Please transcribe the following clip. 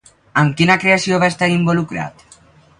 Amb quina creació va estar involucrat?